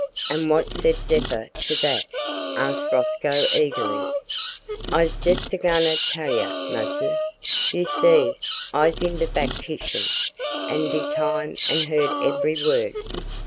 '" "And what said Zeppa to that?" asked Rosco eagerly. "I's just a goin' to tell you, massa. You see I's in de back kishen at de time an' hear ebery word.